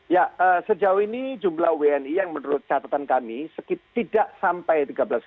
ya sejauh ini jumlah wni yang menurut catatan kami tidak sampai tiga belas